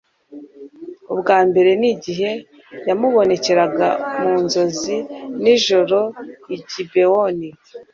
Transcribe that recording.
ubwa mbere ni igihe yamubonekeraga mu nzozi nijoro i gibewoni